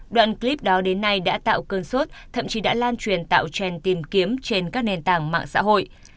đoạn clip đó đến nay đã tạo cơn sốt thậm chí đã lan truyền tạo trèn tìm kiếm trên các nền tảng mạng xã hội